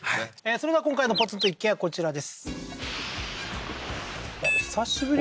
それでは今回のポツンと一軒家こちらですあっ久しぶり